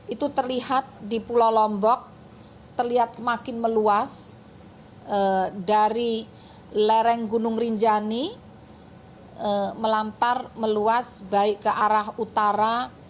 itu terlihat di pulau lombok terlihat makin meluas dari lereng gunung rinjani melampar meluas baik ke arah utara